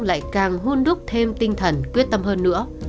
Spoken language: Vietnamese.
lại càng hôn đúc thêm tinh thần quyết tâm hơn nữa